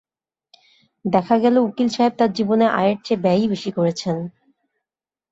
দেখা গেল উকিল সাহেব তাঁর জীবনে আয়ের চেয়ে ব্যয়ই বেশি করেছেন।